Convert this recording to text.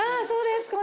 そうです。